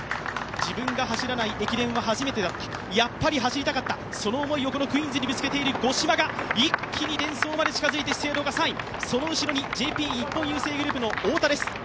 自分が走らない駅伝は初めてだったやっぱり走りたかった、その思いをこのクイーンズに込めて一気にデンソーまで近づいて資生堂が３位、その後ろにＪＰ日本郵政グループの太田です。